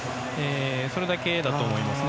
それだけだと思いますね。